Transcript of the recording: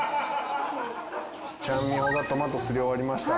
ちゃん美穂がトマトすり終わりました。